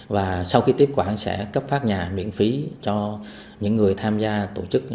và sau khi tiếp quản sẽ cấp phát nhà miễn phí cho những người tham gia tổ chức